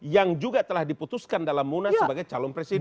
yang juga telah diputuskan dalam munas sebagai calon presiden